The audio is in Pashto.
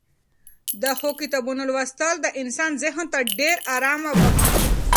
د ښو کتابونو لوستل د انسان ذهن ته ډېره ارامي بښي.